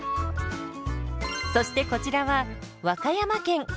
そしてこちらは和歌山県。